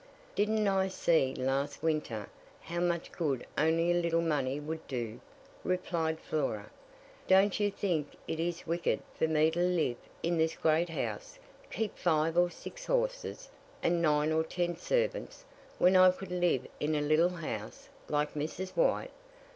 "Didn't I see last winter how much good only a little money would do?" replied Flora. "Don't you think it is wicked for me to live in this great house, keep five or six horses, and nine or ten servants, when I could live in a little house, like Mrs. White?"